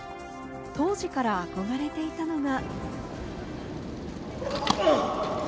当時から憧れていたのが。